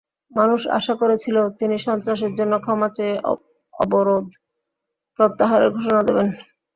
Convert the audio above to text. মানুষ আশা করেছিল, তিনি সন্ত্রাসের জন্য ক্ষমা চেয়ে অবরোধ প্রত্যাহারের ঘোষণা দেবেন।